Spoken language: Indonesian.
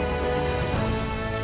tahap ibu ota bali tuh